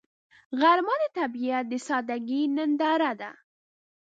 غرمه د طبیعت د سادګۍ ننداره ده